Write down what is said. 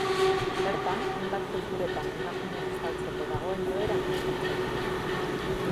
Bertan hainbat kulturetan emakumea estaltzeko dagoen joera aztertzen du.